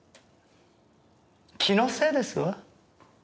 気のせいですわ。